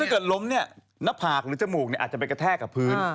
เกิดล้มเนี่ยหน้าผากหรือจมูกอาจจะไปกระแทกกับพื้น